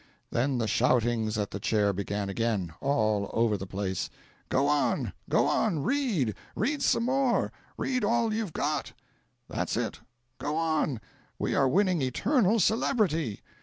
Then the shoutings at the Chair began again, all over the place: "Go on! go on! Read! read some more! Read all you've got!" "That's it go on! We are winning eternal celebrity!"